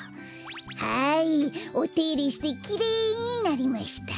はいおていれしてきれいになりました。